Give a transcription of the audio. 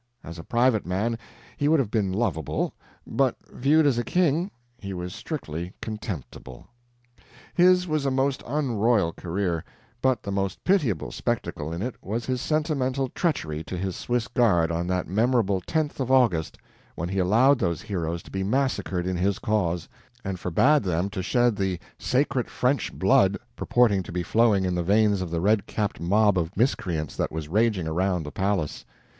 As a private man, he would have been lovable; but viewed as a king, he was strictly contemptible. His was a most unroyal career, but the most pitiable spectacle in it was his sentimental treachery to his Swiss guard on that memorable 10th of August, when he allowed those heroes to be massacred in his cause, and forbade them to shed the "sacred French blood" purporting to be flowing in the veins of the red capped mob of miscreants that was raging around the palace.